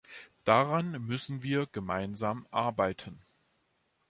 Daran müssen wir gemeinsam arbeiten.